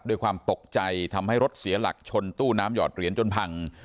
ด้วยความตกใจทำให้รถเสียหลักชนตู้น้ำหอดเหรียญจนพัง